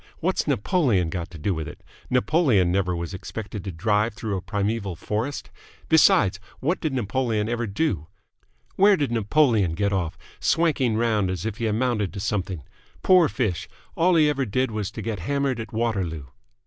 What's Napoleon got to do with it? Napoleon never was expected to drive through a primeval forest. Besides, what did Napoleon ever do? Where did Napoleon get off, swanking round as if he amounted to something? Poor fish! All he ever did was to get hammered at Waterloo!"